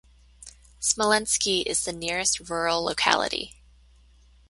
Smolensky is the nearest rural locality.